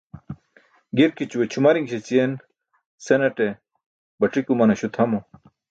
Girkićuwe cʰumariṅ śećiyen senate bac̣ik umanaśo tʰamo.